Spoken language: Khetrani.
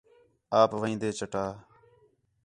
آپ وین٘دے چٹا